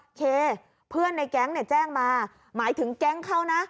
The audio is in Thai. เคเพื่อนในแก๊งเนี่ยแจ้งมาหมายถึงแก๊งเขานะ